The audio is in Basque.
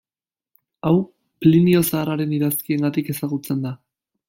Hau, Plinio Zaharraren idazkiengatik ezagutzen da.